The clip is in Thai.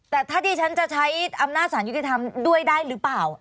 แต่ถ้าดิฉันจะใช้อำนาจสารยุติธรรมด้วยได้หรือเปล่า